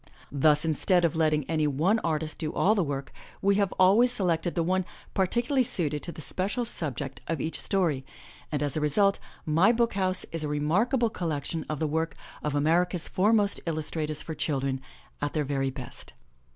Thus, instead of letting any one artist do all the work, we have always selected the one par ticularly suited to the special subject of each story and, as a result, My BOOK HOUSE is a remarkable collection of the work of America's foremost illustrators for children, at their very best.